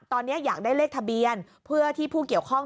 ตอนนี้อยากได้เลขทะเบียนเพื่อที่ผู้เกี่ยวข้อง